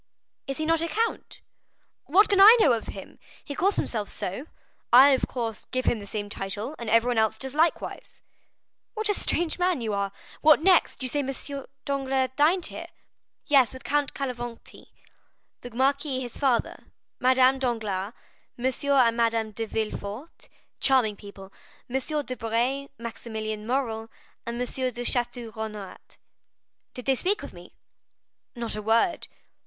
"Is he not a count?" "What can I know of him? He calls himself so. I, of course, give him the same title, and everyone else does likewise." "What a strange man you are! What next? You say M. Danglars dined here?" "Yes, with Count Cavalcanti, the marquis his father, Madame Danglars, M. and Madame de Villefort,—charming people,—M. Debray, Maximilian Morrel, and M. de Château Renaud." "Did they speak of me?" "Not a word."